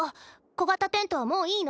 小型テントはもういいの？